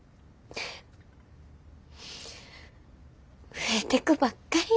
増えてくばっかりや。